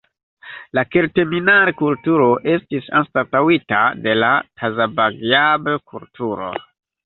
La Kelteminar-kulturo estis anstataŭita de la Tazabagjab-kulturo.